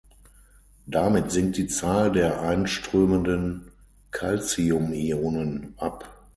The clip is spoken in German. Damit sinkt die Zahl der einströmenden Calciumionen ab.